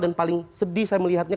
dan paling sedih saya melihatnya